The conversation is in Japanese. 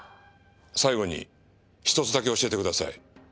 最後にひとつだけ教えてください。